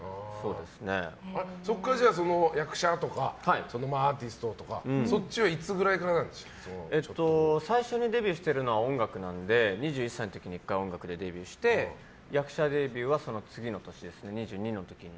そこから役者とかアーティストとか最初にデビューしてるのは音楽なので２１歳の時に１回音楽でデビューして役者デビューは、その次の年の２２の時に。